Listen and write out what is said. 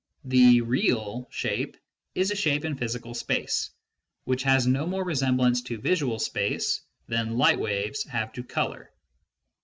The " risal " shape is a shape in physical space, which has no more resemblance to visual space than light waves have to colour.